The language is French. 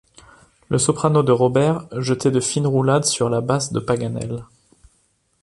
Le soprano de Robert jetait de fines roulades sur la basse de Paganel.